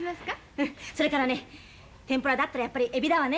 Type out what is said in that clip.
それからね天ぷらだったらやっぱりエビだわね。